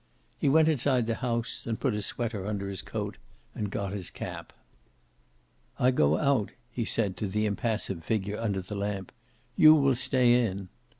He went inside the house and put a sweater under his coat, and got his cap. "I go out," he said, to the impassive figure under the lamp. "You will stay in."